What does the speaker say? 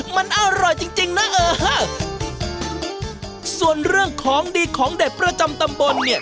มันอร่อยจริงจริงนะเออส่วนเรื่องของดีของเด็ดประจำตำบลเนี่ย